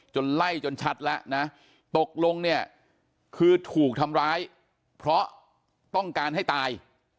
ไล่จนชัดแล้วนะตกลงเนี่ยคือถูกทำร้ายเพราะต้องการให้ตาย